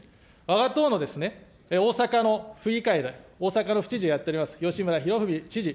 わが党の大阪の府議会で、大阪の府知事をやっております吉村洋文知事。